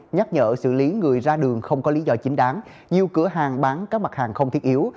nhắc nhở xử lý người ra đường không có lý do chính đáng nhiều cửa hàng bán các mặt hàng không thiết yếu